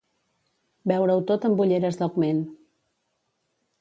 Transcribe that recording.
Veure-ho tot amb ulleres d'augment.